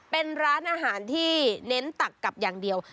เป็นร้านอาหารที่เน้นตักกับอย่างเดียว